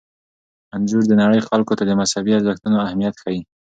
انځور د نړۍ خلکو ته د مذهبي ارزښتونو اهمیت ښيي.